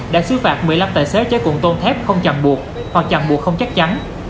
đã xứ phạt một mươi năm tài xế chế cuộn tôn thép không chằm buộc hoặc chằm buộc không chắc chắn